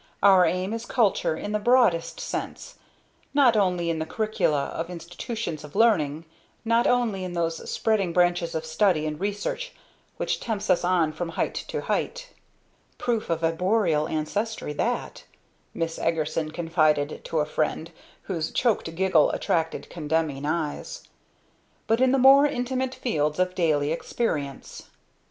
Our aim is Culture in the broadest sense, not only in the curricula of institutions of learning, not only in those spreading branches of study and research which tempts us on from height to height" ("proof of arboreal ancestry that," Miss Eagerson confided to a friend, whose choked giggle attracted condemning eyes) "but in the more intimate fields of daily experience."